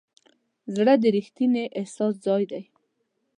زړه د ریښتیني احساس ځای دی.